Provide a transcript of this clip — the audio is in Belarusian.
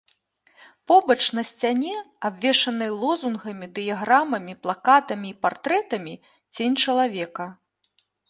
Побач на сцяне, абвешанай лозунгамі, дыяграмамі, плакатамі і партрэтамі, цень чалавека.